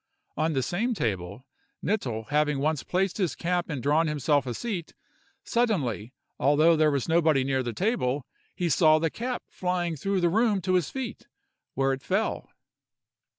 On the same table, Knittel having once placed his cap and drawn himself a seat, suddenly, although there was nobody near the table, he saw the cap flying through the room to his feet, where it fell.